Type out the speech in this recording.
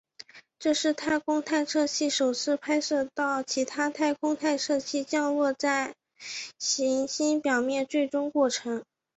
这是太空探测器首次拍摄到其他太空探测器降落到行星表面最终过程。